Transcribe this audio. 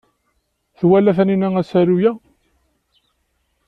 Twala Taninna asaru-a?